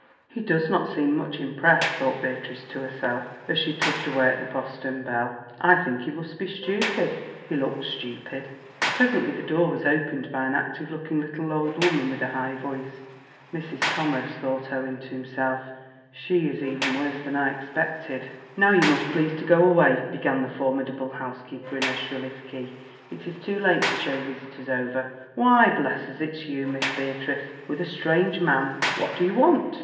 "He does not seem much impressed," thought Beatrice to herself, as she tugged away at the postern bell; "I think he must be stupid. He looks stupid." Presently the door was opened by an active looking little old woman with a high voice. "Mrs. Thomas," thought Owen to himself; "she is even worse than I expected." "Now you must please to go away," began the formidable housekeeper in her shrillest key; "it is too late to show visitors over. Why, bless us, it's you, Miss Beatrice, with a strange man! What do you want?"